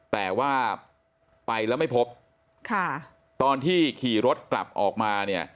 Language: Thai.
แต่ว่าไปแล้วไม่พบค่ะตอนที่ขี่รถกลับออกมาเนี่ย